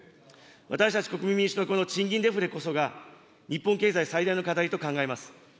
私たち国民民主党はこの賃金デフレこそが、日本経済最大の課題と考えます。